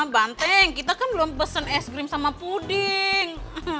banteng kita kan belum pesen es krim sama puding